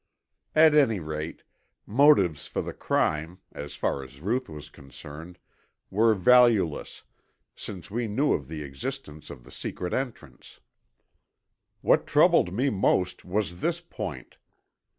At any rate, motives for the crime, as far as Ruth was concerned, were valueless, since we knew of the existence of the secret entrance. What troubled me most was this point.